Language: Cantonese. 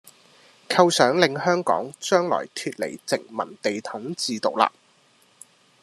構想令香港將來脫離殖民地統治獨立